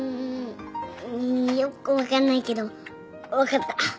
んよく分かんないけど分かった。